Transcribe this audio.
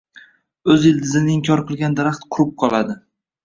O’z ildizini inkor qilgan daraxt qurib qoladi.